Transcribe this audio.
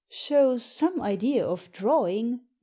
" Shows some idea of drawing."